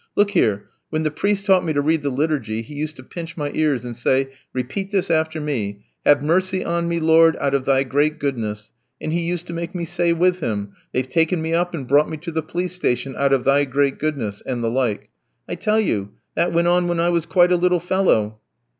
Look here, when the priest taught me to read the liturgy, he used to pinch my ears, and say, 'Repeat this after me: Have pity on me, Lord, out of Thy great goodness;' and he used to make me say with him, 'They've taken me up and brought me to the police station out of Thy great goodness,' and the like. I tell you that went on when I was quite a little fellow."